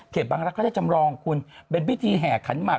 เขตบังรักษ์เขาจะจำลองคุณเป็นพิธีแห่ขันหมัก